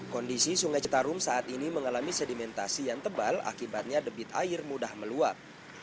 kondisi sungai citarum saat ini mengalami sedimentasi yang tebal akibatnya debit air mudah meluap